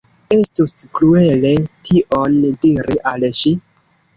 Estus kruele tion diri al ŝi.